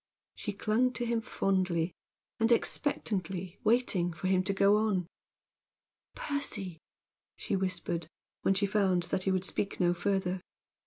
She clung to him fondly, and expectantly, waiting for him to go on. "Percy!" she whispered, when she found that he would speak no further.